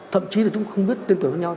thậm chí là chúng không biết tên tuổi với nhau